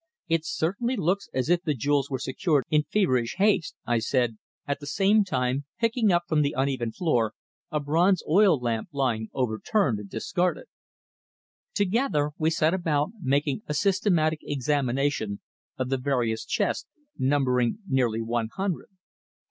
"It certainly looks as if the jewels were secured in feverish haste," I said, at the same time picking up from the uneven floor a bronze oil lamp lying overturned and discarded. Together we set about making a systematic examination of the various chests, numbering nearly one hundred.